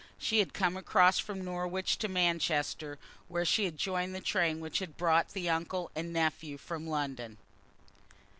She had come across from Norwich to Manchester, where she had joined the train which had brought the uncle and nephew from London.